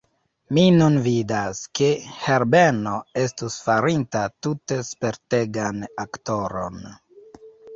Mi nun vidas, ke Herbeno estus farinta tute spertegan aktoron.